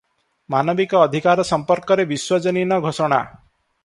ମାନବିକ ଅଧିକାର ସମ୍ପର୍କରେ ବିଶ୍ୱଜନୀନ ଘୋଷଣା ।